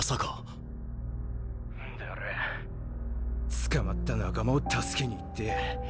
捕まった仲間を助けに行って。